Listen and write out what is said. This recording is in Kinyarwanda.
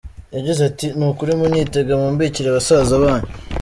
Yagize ati “Ni kuri munyitege mumbikire basaza banyu.